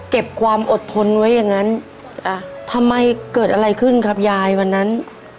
เก็บความอดทนไว้อย่างนั้นทำไมเกิดอะไรขึ้นครับยายวันนั้น